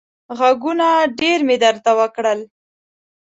غږونه ډېر مې درته وکړل.